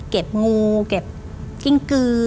เก็บงูเก็บกิ้งกือ